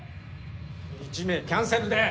１名キャンセルで！